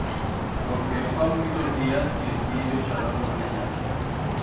Porque no fa muitos días que estié yo charrando con ella.